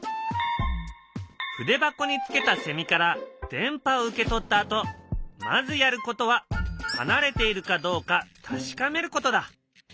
筆箱につけたセミから電波を受け取ったあとまずやることは離れているかどうか確かめることだ。